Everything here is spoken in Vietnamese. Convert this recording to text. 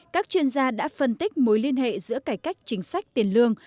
các chuyên gia đã phân tích mối liên hệ giữa cải cách chính sách tiền lương